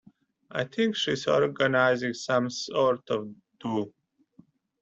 I think she's organising some sort of do.